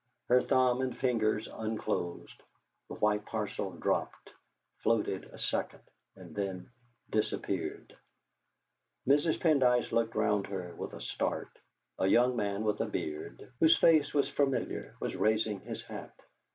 Her thumb and fingers unclosed; the white parcel dropped, floated a second, and then disappeared. Mrs. Pendyce looked round her with a start. A young man with a beard, whose face was familiar, was raising his hat.